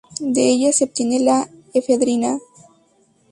De ellas se obtiene la efedrina.